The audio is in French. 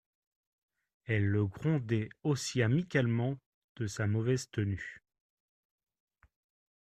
Elle le grondait aussi amicalement de sa mauvaise tenue.